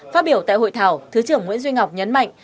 phát biểu tại hội thảo thứ trưởng nguyễn duy ngọc nhấn mạnh